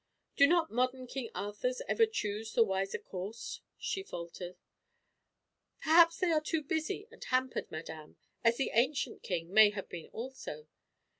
"Do not modern King Arthurs ever choose the wiser course?" she faltered. "Perhaps they are too busy and hampered, madame, as the ancient king may have been also.